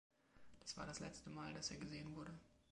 Das war das letzte Mal, dass er gesehen wurde.